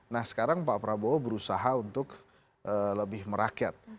nah sekarang pak prabowo berusaha untuk lebih merakyat